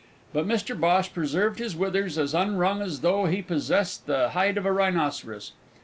But Mr Bhosh preserved his withers as unwrung as though he possessed the hide of a rhinoceros.